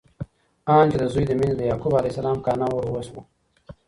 آن چې د زوی له مینې د یعقوب علیه السلام کانه وروشوه!